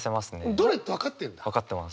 どれって分かってんだ？